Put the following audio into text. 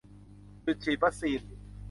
จุดฉีดวัคซีน